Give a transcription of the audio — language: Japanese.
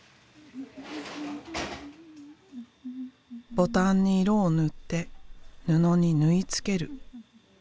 ボタンに色を塗って布に縫い付ける。